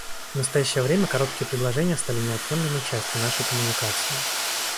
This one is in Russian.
В настоящее время короткие предложения стали неотъемлемой частью нашей коммуникации.